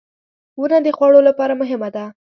• ونه د خوړو لپاره مهمه ده.